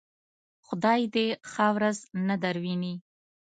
خدای دې ښه ورځ نه درويني.